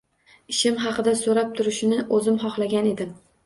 Ishim haqida so’rab turishini o‘zim xohlagan edim.